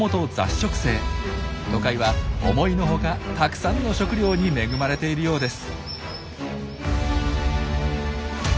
都会は思いのほかたくさんの食料に恵まれているようです。